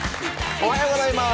おはようございます。